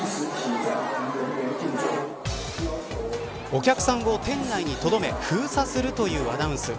お客さんを店内にとどめ封鎖するというアナウンス。